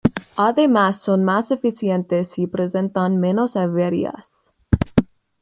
Además, son más eficientes y presentan menos averías.